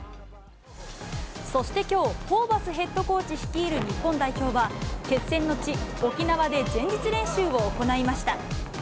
そしてきょう、ホーバスヘッドコーチ率いる日本代表は、決戦の地、沖縄で前日練習を行いました。